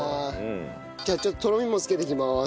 じゃあちょっととろみも付けていきます。